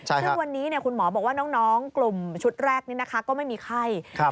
ซึ่งวันนี้คุณหมอบอกว่าน้องกลุ่มชุดแรกนี้นะคะก็ไม่มีไข้